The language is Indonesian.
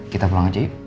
kita pulang aja yuk